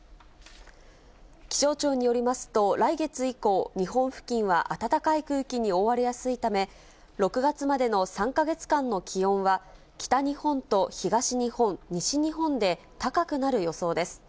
気象庁によりますと、来月以降、日本付近は暖かい空気に覆われやすいため、６月までの３か月間の気温は、北日本と東日本、西日本で、高くなる予想です。